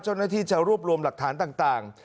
เจ้าหน้าที่จะรวบรวมหลักฐานต่าง